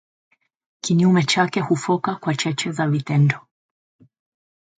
kinyume chake hufoka kwa cheche za vitendo